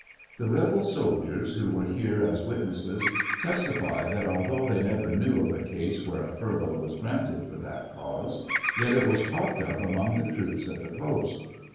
The rebel soldiers who were here as witnesses testify that although they never knew of a case where a furiough was granted for that cause, yet it was talked of among the troops at the post.